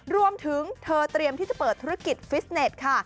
รวมถึงเธอเตรียมที่จะเปิดธุรกิจฟิสเน็ตค่ะ